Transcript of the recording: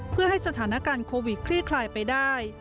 เพื่อให้สถานการณ์โควิดคลี่คลายไปได้